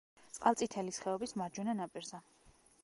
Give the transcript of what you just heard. წყალწითელის ხეობის მარჯვენა ნაპირზე.